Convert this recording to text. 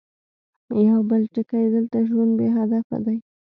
يو بل ټکی، دلته ژوند بې هدفه دی.